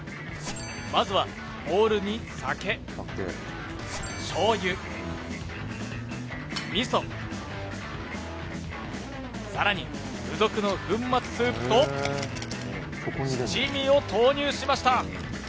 まずはボウルに酒醤油味噌さらに付属の粉末スープと七味を投入しました